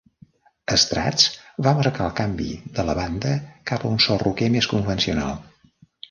"Strast" va marcar el canvi de la banda cap a un so roquer més convencional.